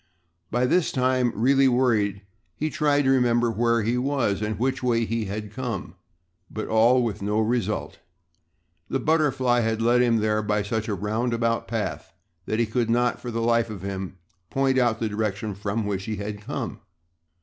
By this time, really worried, he tried to remember where he was and which way he had come, but all with no result. The butterfly had led him there by such a roundabout path that he could not, for the life of him, point out the direction from which he had come.